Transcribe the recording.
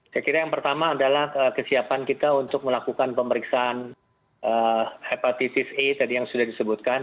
saya kira yang pertama adalah kesiapan kita untuk melakukan pemeriksaan hepatitis a tadi yang sudah disebutkan